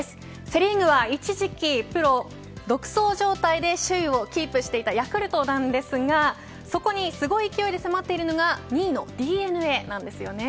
セ・リーグは一時期プロ独走状態で首位をキープしていたヤクルトなんですがそこにすごい勢いで迫っているのが２位のＤｅＮＡです。